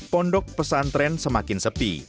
pondok pesantren semakin terbang